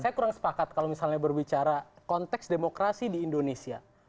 saya kurang sepakat kalau misalnya berbicara konteks demokrasi di indonesia